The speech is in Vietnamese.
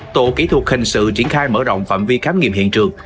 tổ kỹ thuật hình sự triển khai mở rộng phạm vi khám nghiệm hiện trường